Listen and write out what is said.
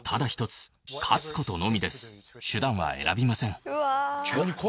手段は選びません。